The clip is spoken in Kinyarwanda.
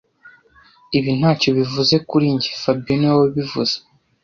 Ibi ntacyo bivuze kuri njye fabien niwe wabivuze